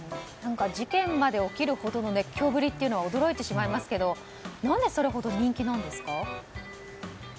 事件まで起きるほどの熱狂ぶりというのは驚いてしまいますけどなぜそれほど人気なんですか？